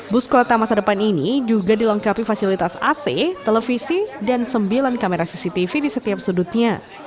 bus kota masa depan ini juga dilengkapi fasilitas ac televisi dan sembilan kamera cctv di setiap sudutnya